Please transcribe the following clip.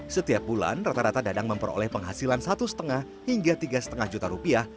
setiap bulan rata rata dadang memperoleh penghasilan satu lima hingga tiga lima juta rupiah